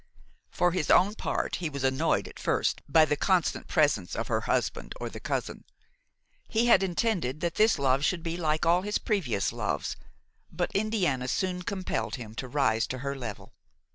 For his own part, he was annoyed at first by the constant presence of the husband or the cousin. He had intended that this love should be like all his previous loves, but Indiana soon compelled him to rise to her level.